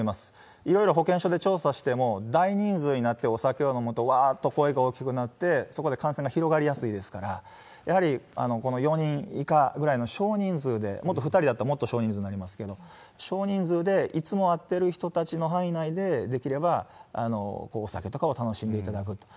いろいろ保健所で調査しても、大人数になってお酒を飲むと、わーっと声が大きくなって、そこで感染が広がりやすいですから、やはりこの４人以下ぐらいの少人数で、２人だったらもっと少人数になりますけど、少人数でいつも会ってる人たちの範囲内で、できればお酒とかを楽しんでいただくと。